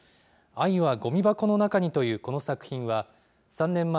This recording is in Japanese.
愛はごみ箱の中にというこの作品は、３年前、